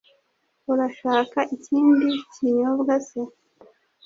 Urashaka ikindi kinyobwa se?